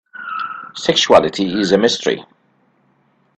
Sexuality is a mystery.